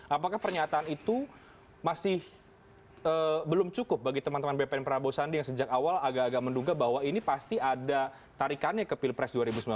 apakah pernyataan itu masih belum cukup bagi teman teman bpn prabowo sandi yang sejak awal agak agak menduga bahwa ini pasti ada tarikannya ke pilpres dua ribu sembilan belas